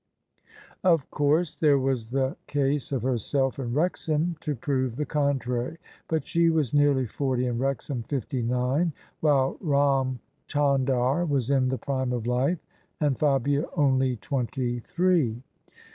Of course there was the case of herself and Wrexham to prove the contrary: but she was nearly forty and Wrexham fifty nine; while Ram Chandar was in the prime of life, and Fabia only twenty three.